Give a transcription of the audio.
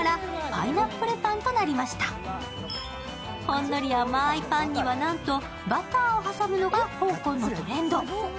ほんのり甘いパンにはなんと、バターを挟むのが香港のトレンド。